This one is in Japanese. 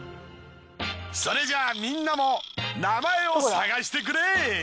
それじゃあみんなも名前を探してくれ。